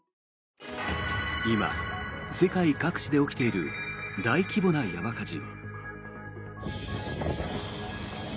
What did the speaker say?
今、世界各地で起きている大規模な山火事。